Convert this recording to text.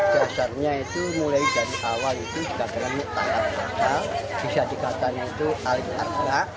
jasarnya itu mulai dari awal itu bisa dikatakan itu alif arba